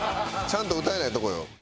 ちゃんと歌えないとこよ。